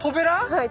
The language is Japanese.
はい。